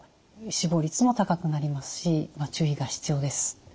死亡率も高くなりますし注意が必要です。